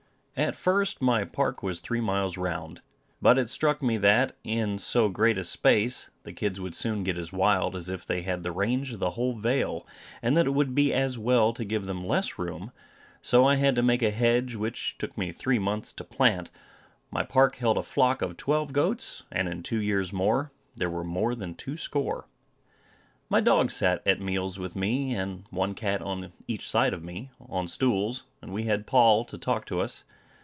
At first my park was three miles round; but it struck me that, in so great a space, the kids would soon get as wild as if they had the range of the whole vale, and that it would be as well to give them less room; so I had to make a hedge which took me three months to plant. My park held a flock of twelve goats, and in two years more there were more than two score. My dog sat at meals with me, and one cat on each side of me, on stools, and we had Poll to talk to us.